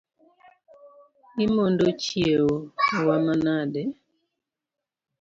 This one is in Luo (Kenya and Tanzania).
Imondo chiewo wa manade?